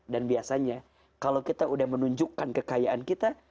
dan biasanya kalau kita udah menunjukkan kekayaan kita